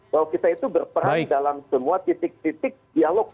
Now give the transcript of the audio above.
bahwa kita itu berperan dalam semua titik titik dialog